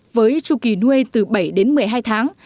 với tru kỳ nuôi từ bảy đến một mươi hai tháng